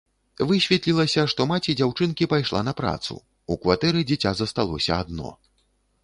Высветлілася, што маці дзяўчынкі пайшла на працу, у кватэры дзіця засталося адно.